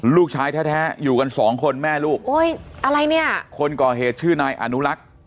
ลูกชายแท้แท้อยู่กันสองคนแม่ลูกโอ้ยอะไรเนี่ยคนก่อเหตุชื่อนายอนุรักษ์